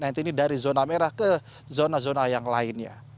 ini dari zona merah ke zona zona yang lainnya